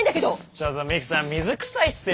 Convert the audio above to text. ちょっと未来さん水くさいっすよ？